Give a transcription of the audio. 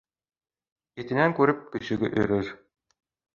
Этенән күреп, көсөгө өрөр.